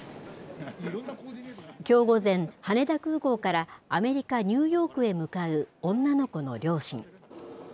きょう午前、羽田空港からアメリカ、ニューヨークへ向かう女の子の両親。